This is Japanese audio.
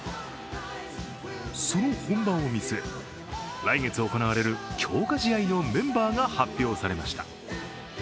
その本番を見据え、来月行われる強化試合のメンバーが発表されました。